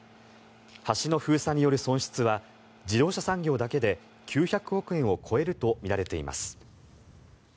橋の封鎖による損失は自動車産業だけで９００億円を超えるとみられています。